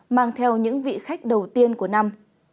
mang theo những vị khách đầu tiên của năm